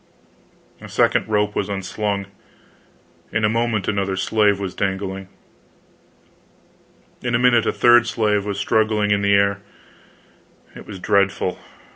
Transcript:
A second rope was unslung, in a moment another slave was dangling. In a minute a third slave was struggling in the air. It was dreadful.